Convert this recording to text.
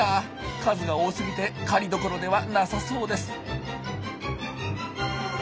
数が多すぎて狩りどころではなさそうです。